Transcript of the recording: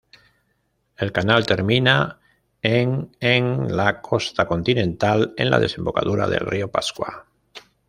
El canal termina en en la costa continental, en la desembocadura del río Pascua.